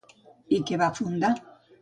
I què va fundar?